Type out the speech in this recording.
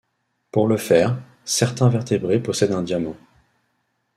Pour le faire, certains vertébrés possèdent un diamant.